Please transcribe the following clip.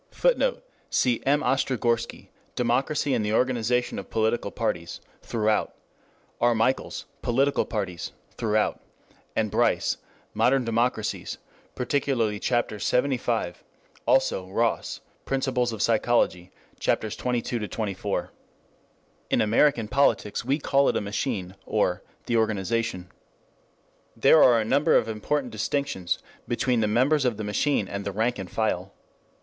[Footnote: Cf. M. Ostrogorski, Democracy and the Organization of Political Parties, passim; R. Michels, Political Parties, passim; and Bryce, Modern Democracies, particularly Chap. LXXV; also Ross, Principles of Sociology, Chaps. XXII XXIV. ] In American politics we call it a machine, or "the organization." 3 There are a number of important distinctions between the members of the machine and the rank and file.